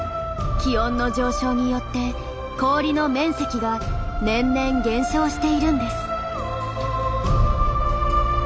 気温の上昇によって氷の面積が年々減少しているんです。